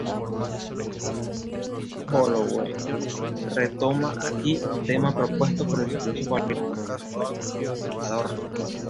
Holloway retoma aquí un tema propuesto por el filósofo alemán Theodor W. Adorno.